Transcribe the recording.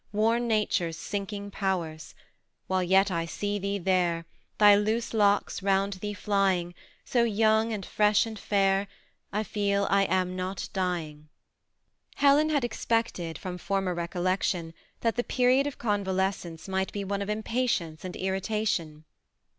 Worn nature's sinking powers. While yet, I see thee there (Thy loose locks round thee flying). So young, and fresh, and fair, I feel not I am dying." Helen had expected, from former recollections, that the period of convalescence might be one of impatience and irritation.